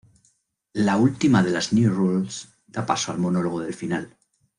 La última de las New Rules da paso al monólogo del final.